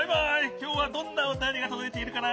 きょうはどんなおたよりがとどいているかな？